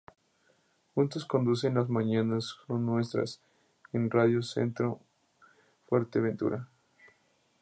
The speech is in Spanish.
Juntos conducen "Las mañanas son nuestras" en Radio Centro Fuerteventura.